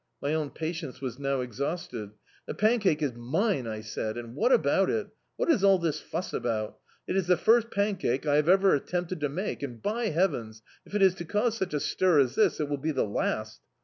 My own patience was now exhausted. "The pancake is mine," I said, "and what about it? What is all this fuss about? It is the first pancake I have ever attempted to make and by heavens ! if it is to cause such a stir as this, it will be the last."